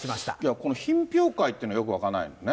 この品評会というのがよく分からないですね。